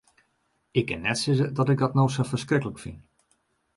Ik kin net sizze dat ik dat no sa ferskriklik fyn.